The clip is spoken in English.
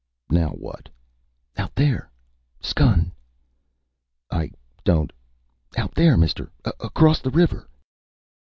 "Now what?" "Out there. Skun!" "I don't " "Out there, mister. Across the river."